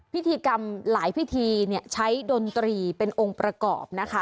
พิธีกรรมหลายพิธีใช้ดนตรีเป็นองค์ประกอบนะคะ